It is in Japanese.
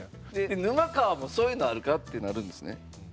「沼川もそういうのあるか？」ってなるんですね。